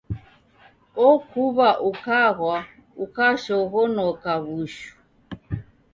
Okuw'a ukagwa ukashoghonoka w'ushu.